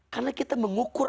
karena kita mengukur